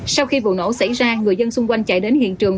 sau khi vụ nổ xảy ra người dân xung quanh chạy đến hiện trường